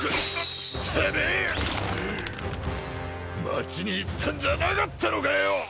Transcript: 町に行ったんじゃなかったのかよ！